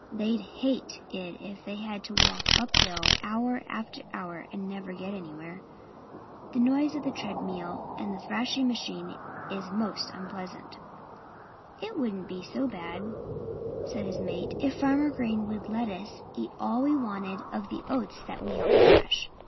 "They'd hate it if they had to walk up hill hour after hour and never get anywhere. The noise of the tread mill and the thrashing machine is most unpleasant." "It wouldn't be so bad," said his mate, "if Farmer Green would let us eat all we wanted of the oats that we help thrash.